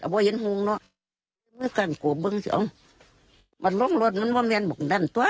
แต่พอยังห่วงเนอะมื้อการกลัวบึงจริงอ่ะมันลงรถมันว่าเมียนบอกนั่นตัว